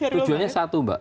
tujuannya satu mbak